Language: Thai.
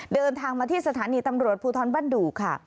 เดินทางมาที่สถานีตำรวจภูทรบ้านดุค่ะ